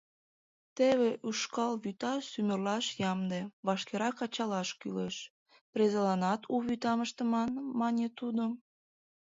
Теве ушкал вӱта сӱмырлаш ямде, вашкерак ачалаш кӱлеш, презыланат у вӱтам ыштыман», — манын тудо.